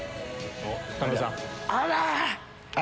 あら！